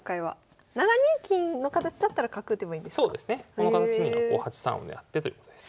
この形には８三を狙ってということです。